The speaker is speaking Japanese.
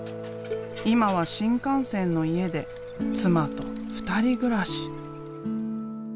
今は新幹線の家で妻と２人暮らし。